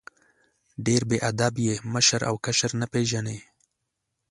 ډېر بې ادب یې ، مشر او کشر نه پېژنې!